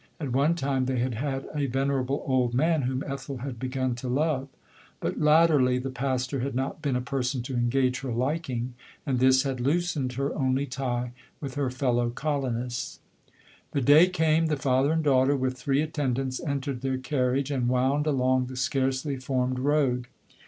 At one time they had had a venerable old man whom Ethel had begun to love ; but latterly, the pastor had not been a person to engage her liking, and this had loosen ed her only tie with her fellow colonists. LODORK. 69 The day came. The father and daughter, with three attendants, entered their carriage, and wound along the scarcely formed road.